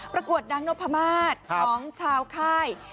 ประกวดดังนพมาศของชาวค่าย